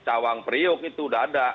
cawang priuk itu sudah ada